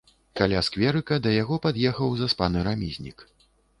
Каля скверыка да яго пад'ехаў заспаны рамізнік.